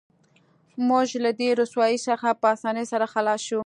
موږ له دې رسوایۍ څخه په اسانۍ سره خلاص شو